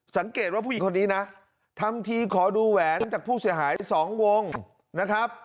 สังเกตว่าผู้หญิงคนนี้นะทำทีขอดูแหวนจากผู้เสียหาย๒วงนะครับ